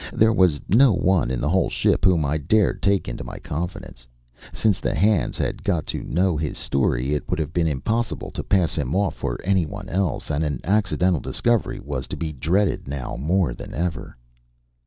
There was no one in the whole ship whom I dared take into my confidence. Since the hands had got to know his story, it would have been impossible to pass him off for anyone else, and an accidental discovery was to be dreaded now more than ever....